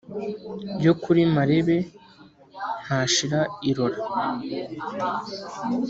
yo kuri marebe ntashira irora.